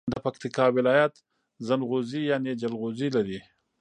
د پکیتکا ولایت زنغوزي یعنی جلغوزي لري.